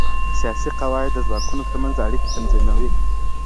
سياسي قواعد د ځواکونو ترمنځ اړيکي تنظيموي.